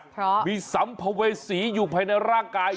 เพราะมีสัมภเวษีอยู่ภายในร่างกาย